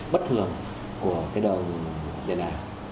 bất thường của cái đồng tiền ảo